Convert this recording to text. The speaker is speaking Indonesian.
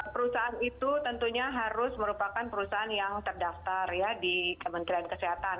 perusahaan itu tentunya harus merupakan perusahaan yang terdaftar ya di kementerian kesehatan